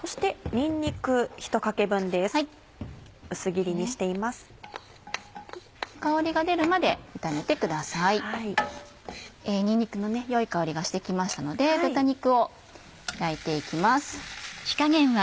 にんにくの良い香りがして来ましたので豚肉を焼いて行きます。